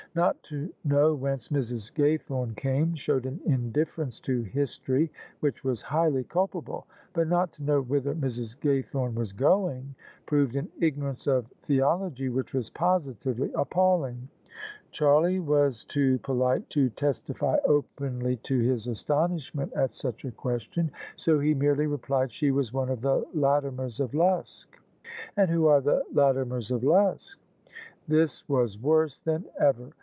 Not to know whence Mrs. Gaythorne came, showed an indifference to history which was highly culpable ; but not to know whither Mrs. Gaythome was going, proved an ignorance of the ology which was positively appalling. Charlie was too [m] THE SUBJECTION polite to testify openly to his astonishment at such a ques tion; so he merely replied, " She was one of the Latimers of Luske." " And who are the Latimers of Luske? " This was worse than ever!